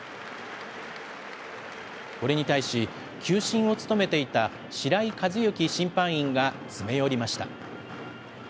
これに対し、球審を務めていた白井一行審判員が詰め寄りました。